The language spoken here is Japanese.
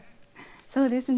そうですね。